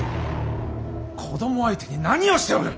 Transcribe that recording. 子供相手に何をしておる。